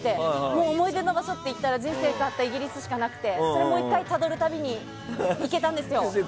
もう思い出の場所といったら人生変わったイギリスしかなくてそれをもう１回たどる旅に行けたんですよ。